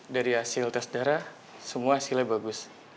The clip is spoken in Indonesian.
dari hasil tes darah semua hasilnya bagus